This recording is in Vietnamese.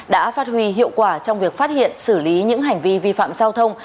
đã phát huy hiệu quả trong việc phát hiện xử lý những hành vi vi phạm giao thông